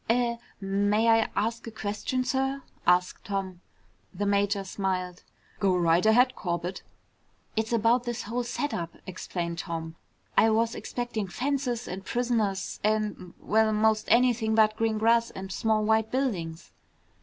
"Er may I ask a question, sir?" asked Tom. The major smiled. "Go right ahead, Corbett." "It's about this whole setup," explained Tom. "I was expecting fences and prisoners and well, most anything but green grass and small white buildings!"